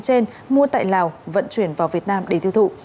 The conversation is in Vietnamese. trên mua tại lào vận chuyển vào việt nam để tiêu thụ